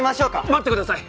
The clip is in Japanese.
待ってください！